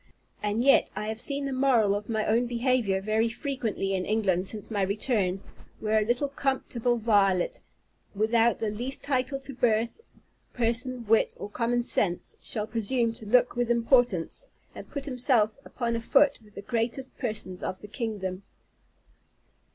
And yet I have seen the moral of my own behavior very frequently in England since my return; where a little contemptible varlet, without the least title to birth, person, wit, or common sense, shall presume to look with importance, and put himself upon a foot with the greatest persons of the kingdom.